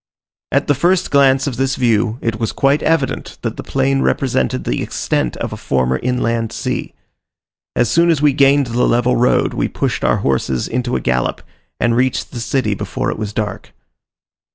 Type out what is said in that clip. At the first glance of this view, it was quite evident that the plain represented the extent of a former inland sea. As soon as we gained the level road we pushed our horses into a gallop, and reached the city before it was dark.